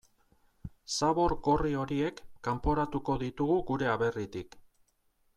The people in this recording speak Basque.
Zabor gorri horiek kanporatuko ditugu gure aberritik.